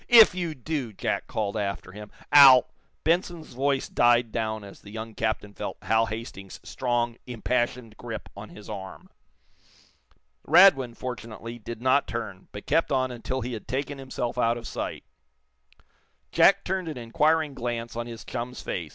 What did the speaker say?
"If you do," Jack called after him, "I'll " Benson's voice died down as the young captain felt Hal Hastings's strong, impassioned grip on his arm. Radwin, fortunately, did not turn, but kept on until he had taken himself out of sight. Jack turned an inquiring glance on his chum's face.